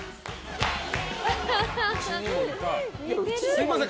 すみません